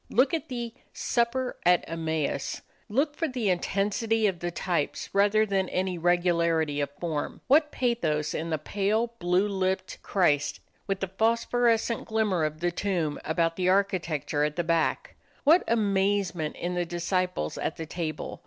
Look at the "Supper at Emmaus" look for the intensity of the types rather than for any regularity of form. What pathos in the pale, blue lipped Christ, with the phosphorescent glimmer of the tomb about the architecture at the back! What amazement in the disciples at the table!